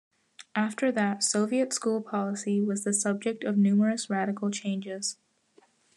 After that, Soviet school policy was the subject of numerous radical changes.